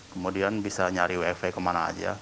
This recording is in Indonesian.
kemudian bisa nyari wfv kemana saja